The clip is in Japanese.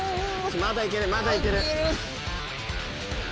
まだ行ける！